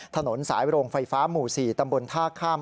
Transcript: ถนนสายโรงไฟฟ้าหมู่๔ตำบลท่าข้าม